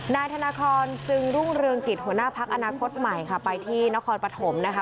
นายธนทรจึงรุ่งเรืองกิจหัวหน้าพักอนาคตใหม่ค่ะไปที่นครปฐมนะคะ